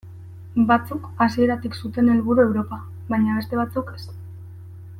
Batzuk hasieratik zuten helburu Europa, baina beste batzuk ez.